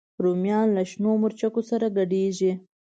رومیان له شنو مرچو سره ګډېږي